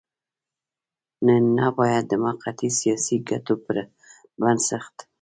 نن نه بايد د موقتي سياسي ګټو پر بنسټ.